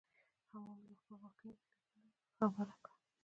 حوا مې له خپل غوښتنلیک لېږلو خبره کړه.